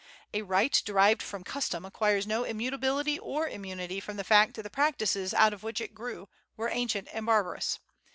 A right derived from custom acquires no immutability or immunity from the fact that the practices out of which it grew were ancient and barbarous.